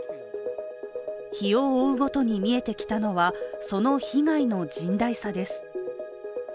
日を追うごとに見えてきたのはその被害の甚大さです。